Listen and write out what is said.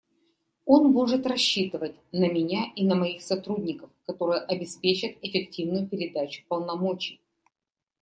Он может рассчитывать на меня и на моих сотрудников, которые обеспечат эффективную передачу полномочий.